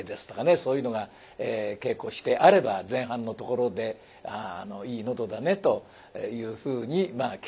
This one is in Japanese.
そういうのが稽古してあれば前半のところでいい喉だねというふうに聞かせる噺なんだそうです。